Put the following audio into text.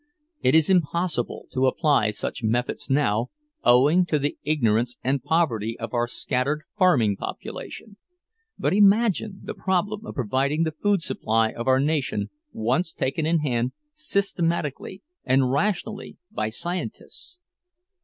It is impossible to apply such methods now, owing to the ignorance and poverty of our scattered farming population; but imagine the problem of providing the food supply of our nation once taken in hand systematically and rationally, by scientists!